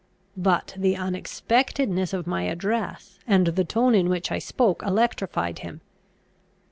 But the unexpectedness of my address, and the tone in which I spoke, electrified him.